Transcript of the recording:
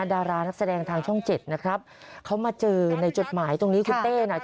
ดารานักแสดงทางช่องเจ็ดนะครับเขามาเจอในจดหมายตรงนี้คุณเต้นะ